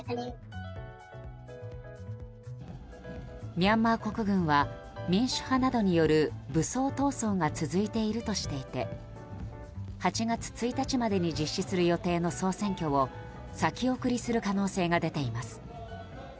ミャンマー国軍は民主派などによる武装闘争が続いているとしていて８月１日までに実施する予定の総選挙を先送りする可能性が出ています。